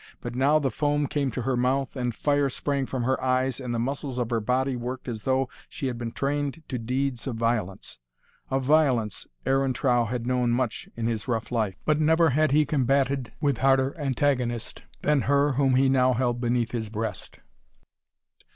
But now the foam came to her mouth, and fire sprang from her eyes, and the muscles of her body worked as though she had been trained to deeds of violence. Of violence, Aaron Trow had known much in his rough life, but never had he combated with harder antagonist than her whom he now held beneath his breast.